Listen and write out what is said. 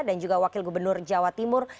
dan juga wakil gubernur jawa timur